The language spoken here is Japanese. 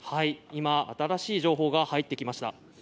今、新しい情報が入ってきました。